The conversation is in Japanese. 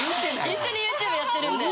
一緒にＹｏｕＴｕｂｅやってるんで。